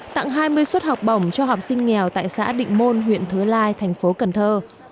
tặng hai mươi suất học bổng cho học sinh nghèo tại xã định môn huyện thứ lai thành phố cần thơ